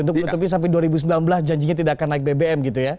untuk menutupi sampai dua ribu sembilan belas janjinya tidak akan naik bbm gitu ya